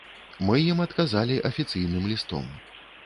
Мы ім адказалі афіцыйным лістом.